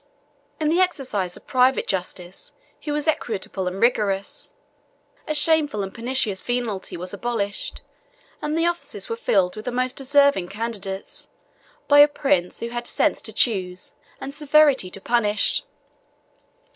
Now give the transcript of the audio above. In the exercise of private justice, he was equitable and rigorous: a shameful and pernicious venality was abolished, and the offices were filled with the most deserving candidates, by a prince who had sense to choose, and severity to punish.